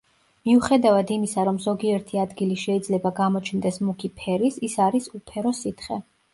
მიუხედავად იმისა, რომ ზოგიერთი ადგილი შეიძლება გამოჩნდეს მუქი ფერის, ის არის უფერო სითხე.